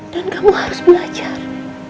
dan kamu harus belajar